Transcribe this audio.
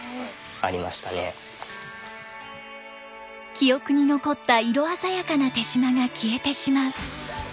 記憶に残った色鮮やかな手島が消えてしまう。